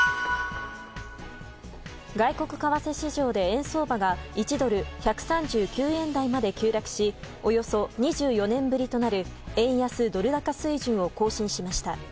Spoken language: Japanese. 外国為替市場で円相場が１ドル＝１３９円台まで急落し、およそ２４年ぶりとなる円安ドル高水準を更新しました。